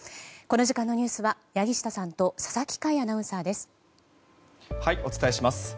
この時間のニュースは柳下さんと佐々木快アナウンサーです。